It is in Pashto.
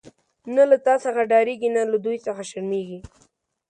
نه له تا څخه ډاريږی، نه له دوی څخه شرميږی